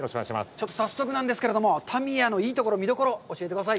ちょっと早速なんですけれども、タミヤのいいところ見どころを教えてください。